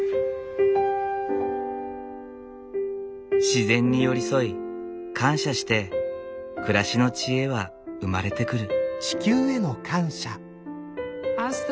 自然に寄り添い感謝して暮らしの知恵は生まれてくる。